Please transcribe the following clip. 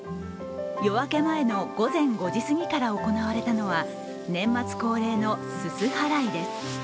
夜明け前の午前５時すぎから行われたのは、年末恒例のすす払いです。